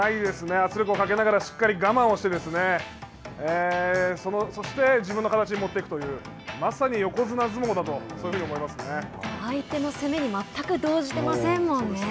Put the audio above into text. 圧力をかけながらしっかり我慢をしてそして、自分の形に持っていくという相手の攻めに全く動じてませんもんね。